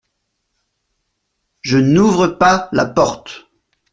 Je n’ouvre pas la porte.